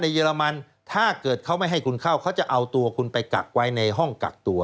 เยอรมันถ้าเกิดเขาไม่ให้คุณเข้าเขาจะเอาตัวคุณไปกักไว้ในห้องกักตัว